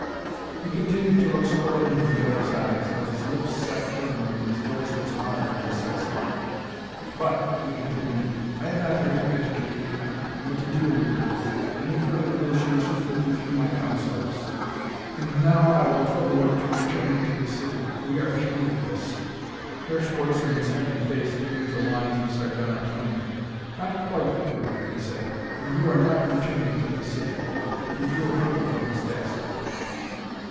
He continued to look squarely into the other's eyes, but his lips set firmly, and his voice was hard and decisive. "But," he continued, "I am not here to educate you, nor to deal with you. Any further negotiations will be through my counsellors. And now I will trouble you to return me to the city. We are through with this." Herr Schwartzmann's heavy face drew into lines of sardonic humor. "Not quite through," he said; "and you are not returning to the city." He drew a paper from his desk.